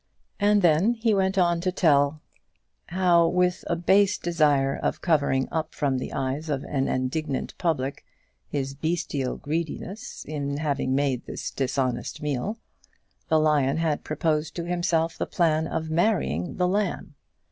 And then he went on to tell how, with a base desire of covering up from the eyes of an indignant public his bestial greediness in having made this dishonest meal, the lion had proposed to himself the plan of marrying the lamb!